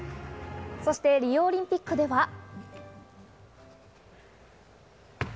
そしてリオオリンピックでは。